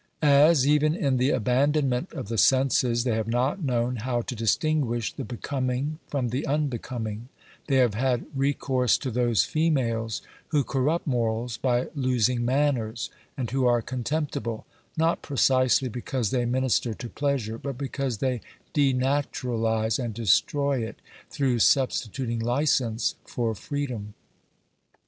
As, even in the abandon ment of the senses they have not known how to distinguish the becoming from the unbecoming, they have had recourse to those females who corrupt morals by losing manners, and who are contemptible, not precisely because they minister to pleasure but because they denaturalise and destroy it through substituting licence for freedom.